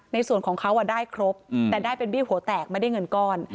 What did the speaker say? ในส่วนของเขาได้ครบแต่ได้เป็นเบี้ยหัวแตกไม่ได้เงินก้อน